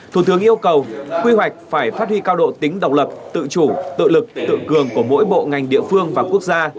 thủ tướng yêu cầu quy hoạch phải phát huy cao độ tính độc lập tự chủ tự lực tự cường của mỗi bộ ngành địa phương và quốc gia